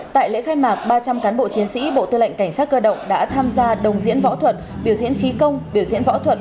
tại lễ khai mạc ba trăm linh cán bộ chiến sĩ bộ tư lệnh cảnh sát cơ động đã tham gia đồng diễn võ thuật biểu diễn khí công biểu diễn võ thuật